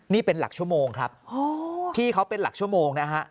นี่เป็นหลักชั่วโมงครับพี่เขาเป็นหลักชั่วโมงนะฮะ